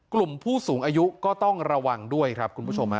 กลุ่มผู้สูงอายุก็ต้องระวังด้วยครับคุณผู้ชม